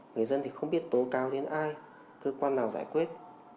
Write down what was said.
người dân thì không biết tố cao đến ai cơ quan nào giải quyết